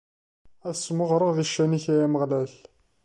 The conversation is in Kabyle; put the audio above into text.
Ad smeɣreɣ di ccan-ik, ay Ameɣlal.